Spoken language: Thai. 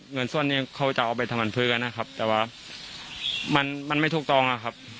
เงินส่วนนี้เขาจะเอาไปทำมันเพื่อนะครับแต่ว่ามันไม่ถูกต้องอะครับ